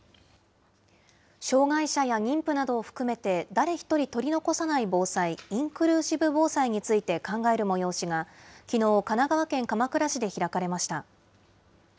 障害者や妊婦などを含めて誰ひとり取り残さない防災、インクルーシブ防災について考える催しが、きのう、神奈川県鎌倉市で開かれました。